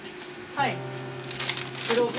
はい。